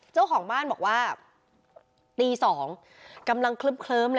เจ้าของบ้านบอกว่าตีสองกำลังเคลิบเคลิบเลย